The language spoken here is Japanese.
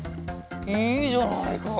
いいじゃないか。